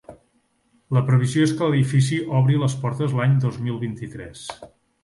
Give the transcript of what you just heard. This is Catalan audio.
La previsió és que l'edifici obri les portes l'any dos mil vint-i-tres.